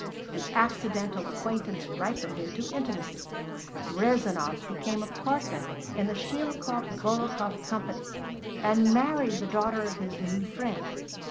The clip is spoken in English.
The accidental acquaintance ripened into intimacy, Rezanov became a partner in the Shelikov Golikov Company, and married the daughter of his new friend.